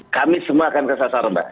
kami semua akan disasar mbak